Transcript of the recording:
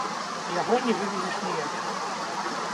Яго не вывезеш ніяк.